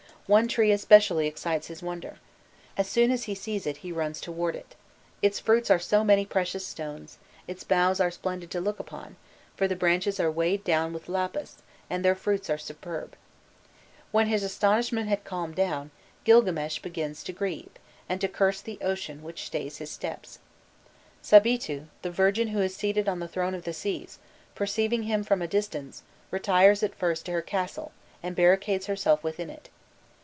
One tree especially excites his wonder: "As soon as he sees it he runs towards it. Its fruits are so many precious stones, its boughs are splendid to look upon, for the branches are weighed down with lapis, and their fruits are superb." When his astonishment had calmed down, Gilgames begins to grieve, and to curse the ocean which stays his steps. "Sabitu, the virgin who is seated on the throne of the seas," perceiving him from a distance, retires at first to her castle, and barricades herself within it.